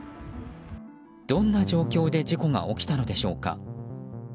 どんな状況で事故が起きたのでしょうか。